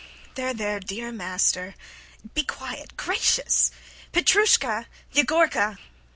There, there, dear master! Be quiet ... gracious! [Calls] Petrushka! Yegorka!